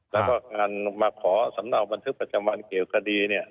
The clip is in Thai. แล้วก็การมาขอสำเนาบันทึกประจำวันเกี่ยวคดีเนี่ย